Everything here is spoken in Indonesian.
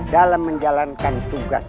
dalam menjalankan tugas tugasnya